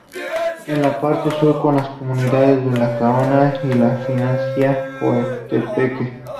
En la parte sur con las comunidades de La Canoa y la Finca Coatepeque.